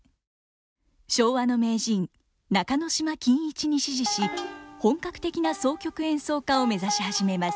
昭和の名人中能島欣一に師事し本格的な箏曲演奏家を目指し始めます。